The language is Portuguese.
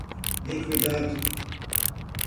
liquidado